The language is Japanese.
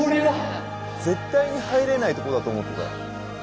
絶対に入れないとこだと思った。